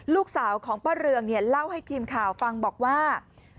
ลูกสาวของป้าเรืองเล่าให้ทีมข่าวฟังบอกว่า